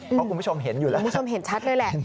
เพราะคุณผู้ชมเห็นอยู่แล้วคุณผู้ชมเห็นชัดเลยแหละ